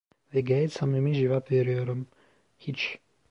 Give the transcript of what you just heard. Ve gayet samimi cevap veriyorum: Hiç!